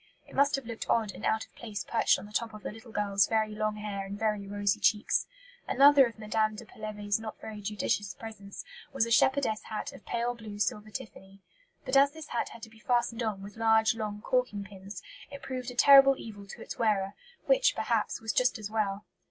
It must have looked odd and out of place perched on the top of the little girl's "very long hair and very rosy cheeks." Another of Mme. de Pelevé's not very judicious presents was "a shepherdess hat of pale blue silver tiffany." But as this hat had to be fastened on with "large, long corking pins," it proved "a terrible evil" to its wearer; which, perhaps, was just as well!